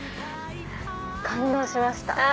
感動しました。